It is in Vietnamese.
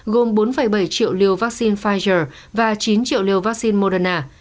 gồm bốn bảy triệu liều vaccine pfizer và chín triệu liều vaccine moderna